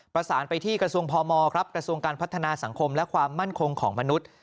ประสานไปที่กระทรวงพมครับกระทรวงการพัฒนาสังคมและความมั่นคงของมนุษย์